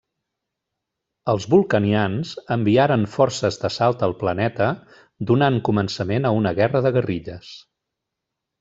Els vulcanians enviaren forces d'assalt al planeta donant començament a una guerra de guerrilles.